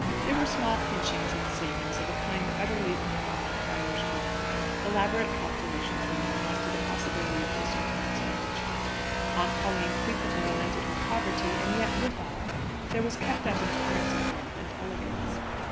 There were small pinchings and savings of a kind utterly unknown in Friar's Row; elaborate calculations were made as to the possibility of this or that expenditure; Aunt Pauline frequently lamented her poverty; and yet, withal, there was kept up an appearance of wealth and elegance.